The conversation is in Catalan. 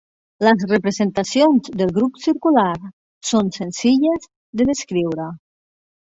Les representacions del grup circular són senzilles de descriure.